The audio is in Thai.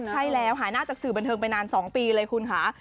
ใช่แล้วหายหน้าจากสื่อบันเทิงไปนาน๒ปีเลยคุณค่ะ